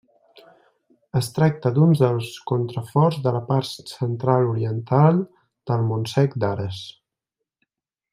Es tracta d'un dels contraforts de la part central-oriental del Montsec d'Ares.